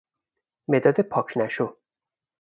مداد پاک نشو